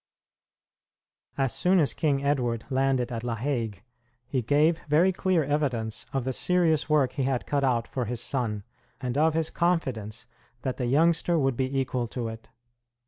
As soon as King Edward landed at La Hague, he gave very clear evidence of the serious work he had cut out for his son, and of his confidence that the youngster would be equal to it.